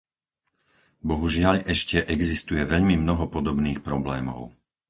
Bohužiaľ ešte existuje veľmi mnoho podobných problémov.